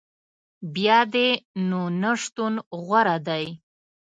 بیا دي نو نه شتون غوره دی